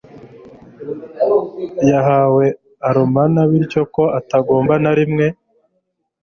yahawe nImana bityo ko atagomba na rimwe